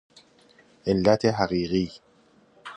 علت حقیقی